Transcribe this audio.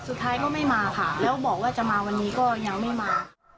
สุดท้ายก็ไม่มาค่ะแล้วบอกว่าจะมาวันนี้ก็ยังไม่มา